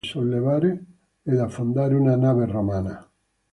Furono in grado di sollevare ed affondare una nave romana.